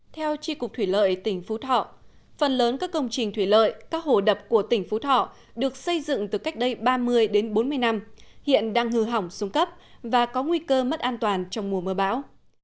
theo tri cục thủy lợi tỉnh phú thọ phần lớn các công trình thủy lợi các hồ đập của tỉnh phú thọ được xây dựng từ cách đây ba mươi đến bốn mươi năm hiện đang hư hỏng xuống cấp và có nguy cơ mất an toàn trong mùa mưa bão